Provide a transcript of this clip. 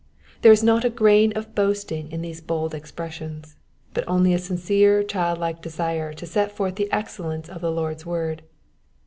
There is not a grain of boasting in these bold expressions, but only a sincere childlike desire to set forth the excellence of the Lord's word.